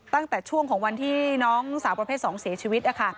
ตั้งแต่ช่วงของวันที่น้องสาวประเภท๒เสียชีวิต